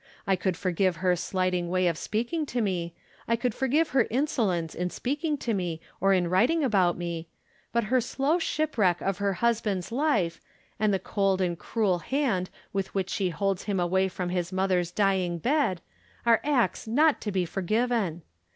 I could forgive her slighting way of speaking to me ; I could forgive her insolence in speaking of me or in writing about me, but her slow shipwreck of her husband's life, and the cold and cruel hand with which she holds him away from his mother's dying bed are acts not to be forgiven.